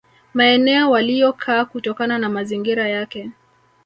Maeneo waliyokaa kutokana na mazingira yake